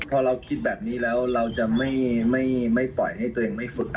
พอเราคิดแบบนี้แล้วเราจะไม่ปล่อยให้ตัวเองไม่ฝึก